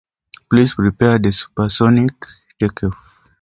Please prepare for supersonic takeoff.